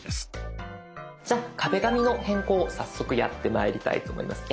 じゃあ壁紙の変更早速やってまいりたいと思います。